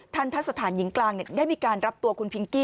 ทัศนหญิงกลางได้มีการรับตัวคุณพิงกี้